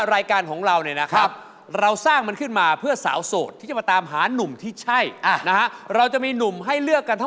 สุนทรีอันนี้เป็นสิ่งสำคัญมาก